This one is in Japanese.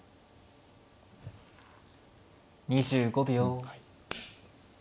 ２５秒。